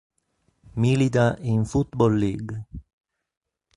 Milita in Football League.